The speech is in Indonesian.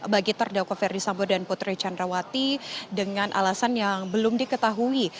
bagi terdakwa ferdisambo dan putri candrawati dengan alasan yang belum diketahui